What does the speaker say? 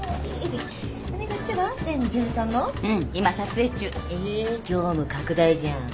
業務拡大じゃん。